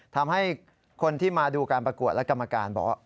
ทำให้คนที่มาดูการประกวดและกรรมการบอกว่า